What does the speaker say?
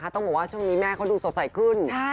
ต้องบอกว่าช่วงนี้แม่เขาดูสดใสขึ้น